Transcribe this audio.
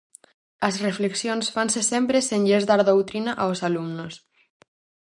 As reflexións fanse sempre sen lles dar doutrina aos alumnos.